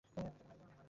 আমি তাকে মারিনি।